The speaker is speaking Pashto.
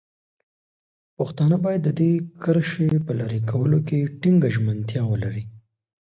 پښتانه باید د دې کرښې په لرې کولو کې ټینګه ژمنتیا ولري.